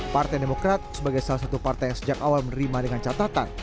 partai demokrat sebagai salah satu partai yang sejak awal menerima dengan catatan